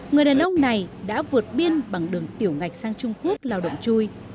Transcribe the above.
người đàn ông này đã vượt biên bằng đường tiểu ngạch sang trung quốc lao động chui